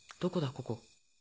ここ。